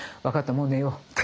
もう寝ようって。